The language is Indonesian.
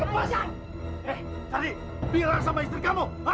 hei sardi bilang sama istri kamu